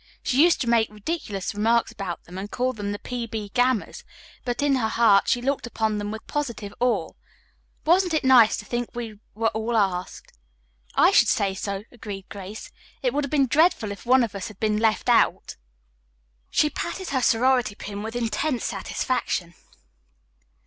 "She used to make ridiculous remarks about them and call them the P. B. Gammas, but in her heart she looked upon them with positive awe. Wasn't it nice to think we were all asked?" "I should say so," agreed Grace. "It would have been dreadful if one of us had been left out." She patted her sorority pin with intense satisfaction.